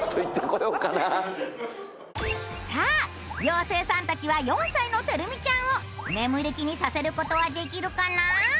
さあ妖精さんたちは４歳のてるみちゃんを眠る気にさせる事はできるかな？